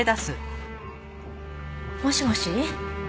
もしもし。